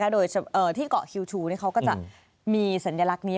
โดยที่เกาะคิวชูเขาก็จะมีสัญลักษณ์นี้